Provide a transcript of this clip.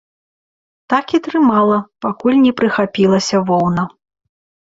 Так і трымала, пакуль не прыхапілася воўна.